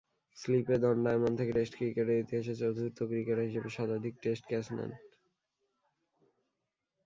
স্লিপে দণ্ডায়মান থেকে টেস্ট ক্রিকেটের ইতিহাসে চতুর্থ ক্রিকেটার হিসেবে শতাধিক টেস্ট ক্যাচ নেন।